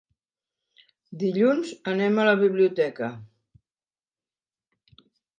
Dilluns anem a la biblioteca.